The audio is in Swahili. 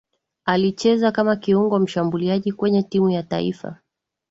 Alicheza kama Kiungo mshambuliaji kwenye timu ya taifa